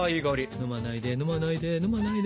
飲まないで飲まないで飲まないで。